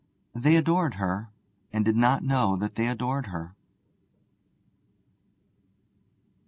They adored her, and did not know that they adored her.